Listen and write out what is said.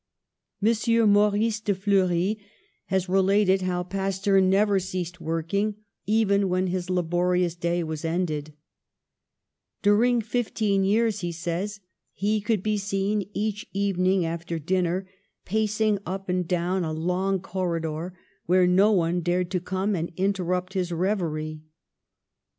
M. Maurice de Fleury has related how Pas teur never ceased working, even when his la borious day was ended : ''During fifteen years," he says, ''he could be seen each evening after dinner pacing up and down a long corridor where no one dared to come and interrupt his reverie.